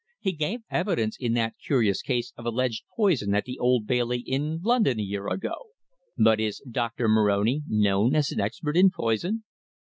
He gave evidence in that curious case of alleged poison at the Old Bailey, in London, a year ago." "But is Doctor Moroni known as an expert in poison?"